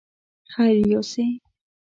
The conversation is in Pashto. خير يوسې!